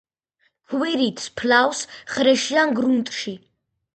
ქვირითს ფლავს ხრეშიან გრუნტში.